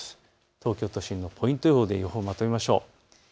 東京都心のポイント予報で予報、まとめましょう。